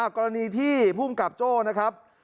กรณีที่ภูมิกับโจ้นะครับ